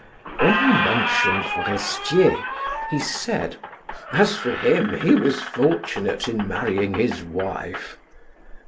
When he mentioned Forestier, he said: "As for him, he was fortunate in marrying his wife."